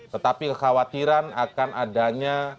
tetapi kekhawatiran akan adanya